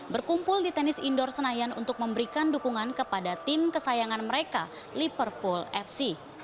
berkumpul di tenis indoor senayan untuk memberikan dukungan kepada tim kesayangan mereka liverpool fc